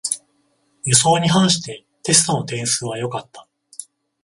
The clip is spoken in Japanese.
予想に反してテストの点数は良かった